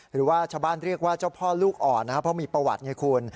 หรือว่าชาวบ้านเรียกว่าเจ้าพ่อลูกอ่อนนะครับเพราะมีประวัติไงคุณ